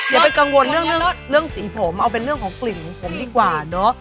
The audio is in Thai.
อย่าไปกังวลเรื่องสีผมเอาเป็นเรื่องของกลิ่นของผมดีกว่าเนอะ